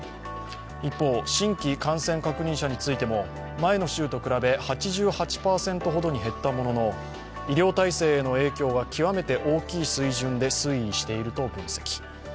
一方、新規感染確認者についても、前の週と比べて８８％ほどに減ったものの医療体制への影響は極めて大きい水準で推移していると分析。